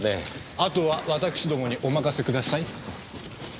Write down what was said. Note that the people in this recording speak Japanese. あとは私共にお任せください。